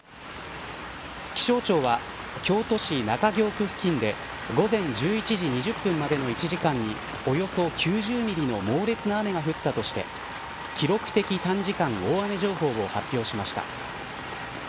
気象庁は京都市中京区付近で午前１１時２０分までの１時間におよそ９０ミリの猛烈な雨が降ったとして記録的短時間大雨情報を発表しました。